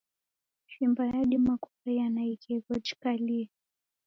Shimba yadima kukaia na ighegho jikalie.